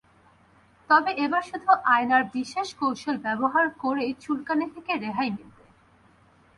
তবে এবার শুধু আয়নার বিশেষ কৌশল ব্যবহার করেই চুলকানি থেকে রেহাই মিলবে।